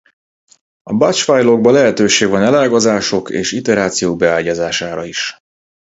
A batch fájlokba lehetőség van elágazások és iterációk beágyazására is.